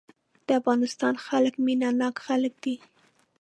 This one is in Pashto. د افغانستان خلک مينه ناک خلک دي.